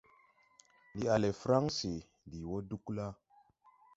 Ndi a le Fransi. Ndi wo Dugla.